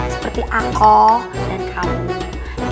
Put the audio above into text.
seperti ako dan kamon